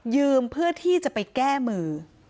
เพื่อที่จะไปแก้มือ